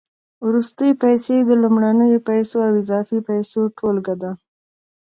وروستۍ پیسې د لومړنیو پیسو او اضافي پیسو ټولګه ده